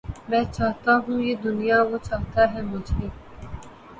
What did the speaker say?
میں چاہتا ہوں یہ دنیا وہ چاہتا ہے مجھے